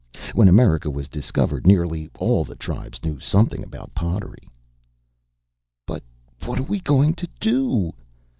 When America was discovered nearly all the tribes knew something about pottery." "But what are we going to do?"